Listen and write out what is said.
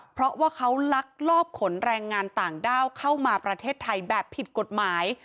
เพราะว่าเขาลักลอบขนแรงงานต่างด้าวเข้ามาประเทศไทยแบบผิดกฎหมาย